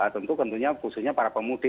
tentu tentunya khususnya para pemudik